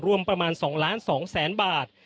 รวมประมาณ๒ล้าน๒แสนบาท